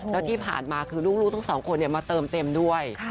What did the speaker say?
แล้วที่ผ่านมาคือลูกทั้งสองคนมาเติมเต็มด้วย